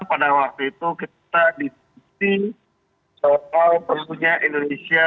pada waktu itu kita disisi soal perlengkapan indonesia